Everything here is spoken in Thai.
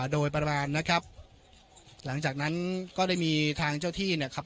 โดยประมาณนะครับหลังจากนั้นก็ได้มีทางเจ้าที่นะครับ